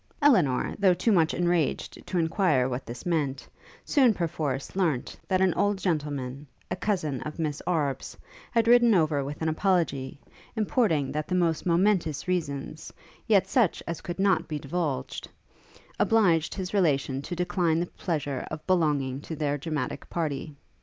Elinor, though too much enraged to inquire what this meant, soon, perforce, learnt, that an old gentleman, a cousin of Miss Arbe's, had ridden over with an apology, importing, that the most momentous reasons, yet such as could not be divulged, obliged his relation to decline the pleasure of belonging to their dramatic party.